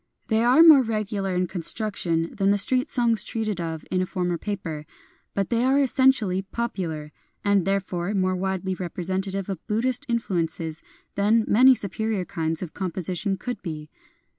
They are more regular in construction than the street songs treated of in a former paper ; but they are essentially popular, and therefore more widely representative of Buddhist influences than many superior kinds of composition could be.